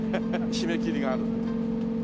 締め切りがあるっていう。